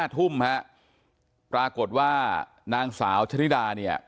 ๕ทุ่มปรากฏว่านางสาวชฤดา